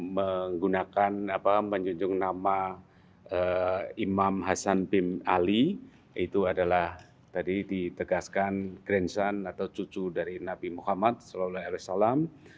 menggunakan apa menjunjung nama imam hasan bin ali itu adalah tadi ditegaskan grand sun atau cucu dari nabi muhammad saw